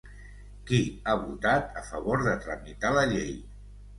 Qui ha votat a favor de tramitar la llei?